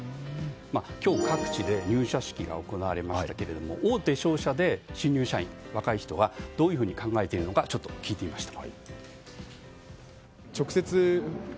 今日、各地で入社式が行われましたけども大手商社で新入社員、若い人はどういうふうに考えているのか聞いてみました。